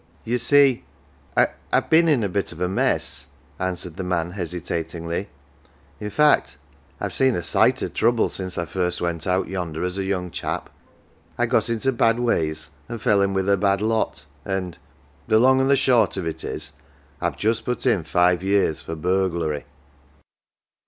" Ye see I've been in a bit of a mess," answered the man hesitatingly. " In fact, I've seen a sight o' trouble since first I went out yonder, as a young chap. I got 240 "OUR JOE" into bad ways, an' fell in with a bad lot, and the long and the short of it is, IVe just put in five years for burglary."